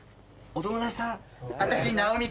お友達さん？